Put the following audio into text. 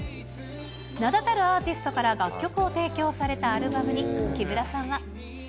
名だたるアーティストから楽曲を提供されたアルバムに、木村さんは。